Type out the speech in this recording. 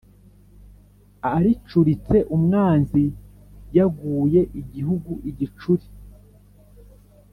aricuritse umwanzi yaguye igihugu igicuri.